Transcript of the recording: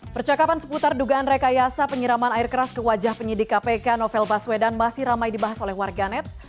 percakapan seputar dugaan rekayasa penyiraman air keras ke wajah penyidik kpk novel baswedan masih ramai dibahas oleh warganet